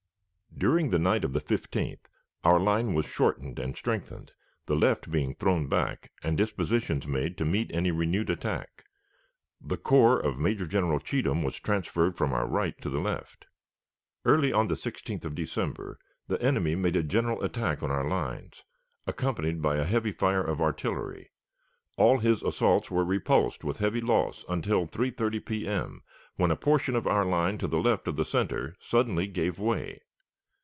During the night of the 15th our line was shortened and strengthened, the left being thrown back and dispositions made to meet any renewed attack. The corps of Major General Cheatham was transferred from our right to the left. Early on the 16th of December the enemy made a general attack on our lines, accompanied by a heavy fire of artillery. All his assaults were repulsed with heavy loss until 3.30 P.M., when a portion of our line to the left of the center suddenly gave way.